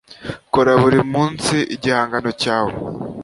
Kora buri munsi igihangano cyawe.”